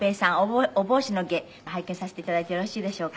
お帽子の芸拝見させて頂いてよろしいでしょうか？